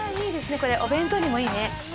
これお弁当にもいいね。